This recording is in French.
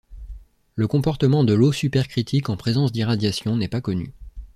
Le comportement de l'eau supercritique en présence d'irradiations n'est pas connu.